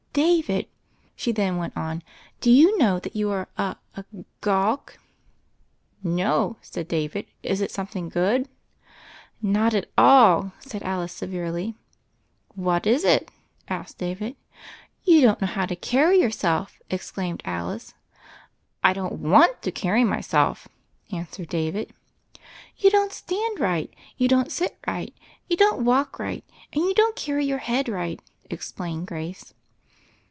"David," she then went on, "do you know that you are a — a — gawk." "No," said David, "is it something good?" "Not at all," said Alice severely. "What is it?" asked David. "You don't know how to carry yourself," ex claimed Alice. "I don't want to carry myself," answered David. "You don't stand right, you don't sit right, ou don't walk right, and you don't carry your ead right," explained Grace.